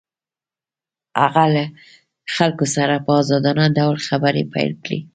هغه له خلکو سره په ازادانه ډول خبرې پيل کړې.